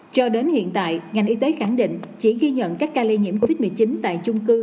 cho đến hiện tại ngành y tế khẳng định chỉ ghi nhận các ca lây nhiễm covid một mươi chín tại chung cư